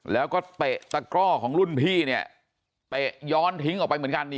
แล้วก็เตะตะกร่อของรุ่นพี่เนี่ยเตะย้อนทิ้งออกไปเหมือนกัน